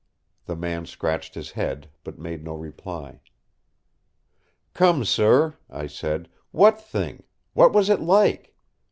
The man scratched his head, but made no reply. "Come, sir," I said, "what thing; what was it like?"